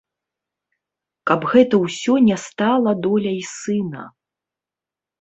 Каб гэта ўсё не стала доляй сына.